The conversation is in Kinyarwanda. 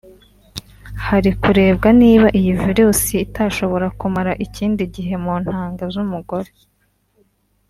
hari kurebwa niba iyi virus itashobora kumara ikindi gihe mu ntanga z’umugore